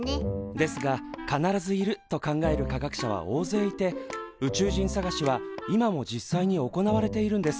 ですが必ずいると考える科学者は大勢いて宇宙人探しは今も実際に行われているんです。